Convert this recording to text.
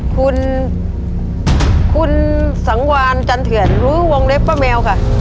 คุณคุณสังวานจันเถื่อนรู้วงเล็บป้าแมวค่ะ